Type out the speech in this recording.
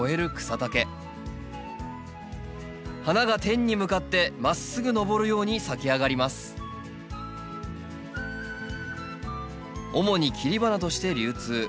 花が天に向かってまっすぐ上るように咲き上がります主に切り花として流通。